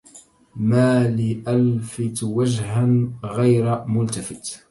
ما لي ألفت وجها غير ملتفت